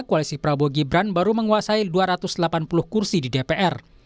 koalisi prabowo gibran baru menguasai dua ratus delapan puluh kursi di dpr